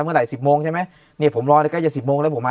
เมื่อไหร่๑๐โมงใช่ไหมเนี่ยผมรอแล้วก็จะ๑๐โมงแล้วผมมา